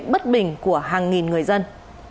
bình của hàng nghìn người dân